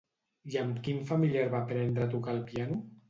I amb quin familiar va aprendre a tocar el piano?